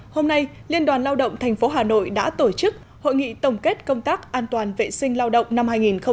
hôm nay liên đoàn lao động tp hà nội đã tổ chức hội nghị tổng kết công tác an toàn vệ sinh lao động năm hai nghìn một mươi chín